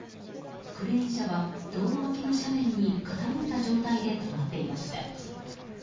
クレーン車は道路脇の斜面に傾いた状態で止まっていました。